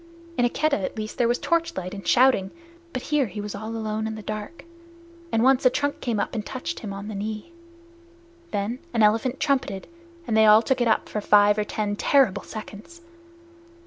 In a Keddah at least there was torchlight and shouting, but here he was all alone in the dark, and once a trunk came up and touched him on the knee. Then an elephant trumpeted, and they all took it up for five or ten terrible seconds.